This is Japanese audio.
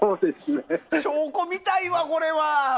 証拠見たいわ、これは！